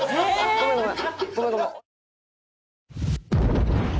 ごめんごめん」。